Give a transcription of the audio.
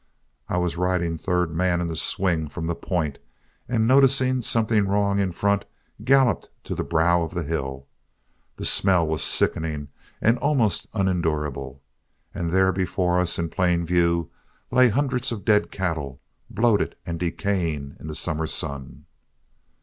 I was riding third man in the swing from the point, and noticing something wrong in front, galloped to the brow of the hill. The smell was sickening and almost unendurable, and there before us in plain view lay hundreds of dead cattle, bloated and decaying in the summer sun.